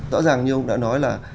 tỏa rằng như ông đã nói là